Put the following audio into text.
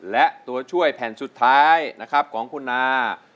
และตัวช่วยแผ่นสุดท้ายนะครับของคุณนา